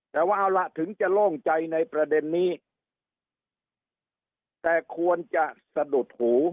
แต่ว่าเอาล่ะถึงจะโล่งใจในประเด็นนี้แต่ควรจะสะดุดหู